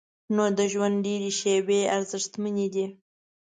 نو د ژوند ډېرې شیبې ارزښتمنې دي.